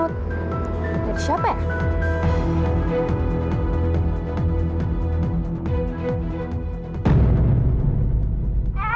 lagi siapa ya